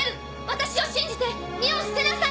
私を信じて荷を捨てなさい！